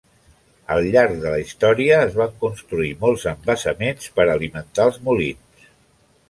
Al llarg de la història, es van construir molts embassaments per a alimentar els molins.